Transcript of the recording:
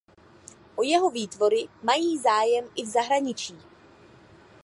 O jeho výtvory mají zájem i v zahraničí.